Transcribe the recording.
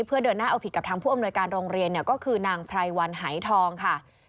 เพื่อเดินหน้าเอาผิดกับทางผู้อำนวยการโรงเรียนก็คือนางไพรวันหายทองค่ะ